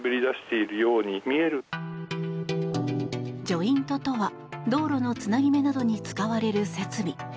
ジョイントとは道路のつなぎ目などに使われる設備。